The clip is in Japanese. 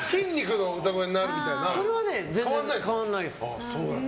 それは全然変わらないです。